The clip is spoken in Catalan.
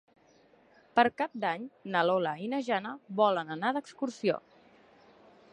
Per Cap d'Any na Lola i na Jana volen anar d'excursió.